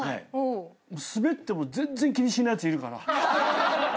スベっても全然気にしないやついるから。